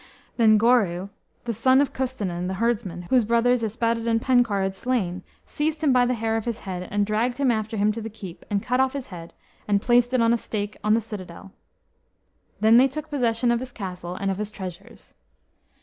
Then Goreu, the son of Custennin, the herdsman, whose brothers Yspadaden Penkawr had slain, seized him by the hair of his head, and dragged him after him to the keep, and cut off his head, and placed it on a stake on the citadel. Then they took possession of his castle, and of his treasures.